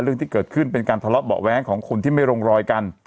เรื่องที่เกิดขึ้นเป็นการทะเลาะเบาะแว้งของคนที่ไม่ลงรอยกัน